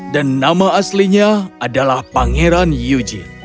dan nama aslinya adalah pangeran yujin